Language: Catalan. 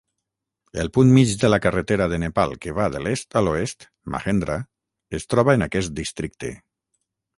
El punt mig de la carretera de Nepal que va de l'est a l'oest, Mahendra, es troba en aquest districte.